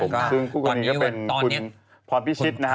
ครับผมตอนนี้ก็เป็นคุณพรพิชิตนะครับ